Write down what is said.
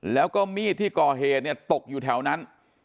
แล้วก็มีดที่ก่อเหตุเนี่ยตกอยู่แถวนั้น